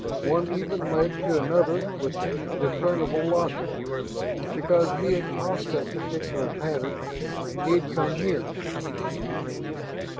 One even led to another with discernible logic; because he had tossed that particular pattern he had come here.